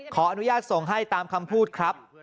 ขออนุญาตส่งให้ตามคำพูดครับ